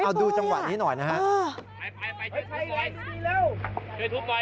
เอาดูจังหวะนี้หน่อยนะฮะ